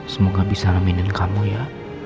semoga bisa mainan kamu ya